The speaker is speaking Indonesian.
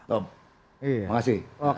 pengurus dong makasih